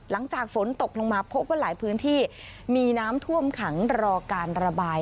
หลังจากฝนตกลงมาพบว่าหลายพื้นที่มีน้ำท่วมขังรอการระบาย